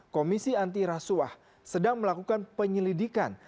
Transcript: komisi anti rasuah sedang melakukan penyelidikan